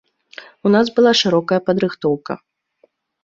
У нас была шырокая падрыхтоўка.